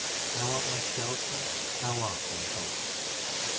Thou art my shelter ; Thou art my hope.